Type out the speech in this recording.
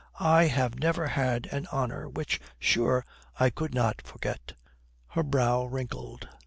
"I have never had an honour, which, sure, I could not forget." Her brow wrinkled.